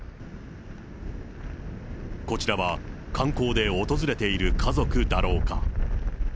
こちらは観光で訪れている家族だろうか。